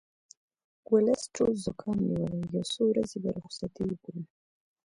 ولس ټول زوکام نیولی یو څو ورځې به رخصتي وکړو